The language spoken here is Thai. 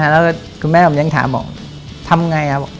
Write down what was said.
แล้วคุณแม่ผมยังถามว่าทำไง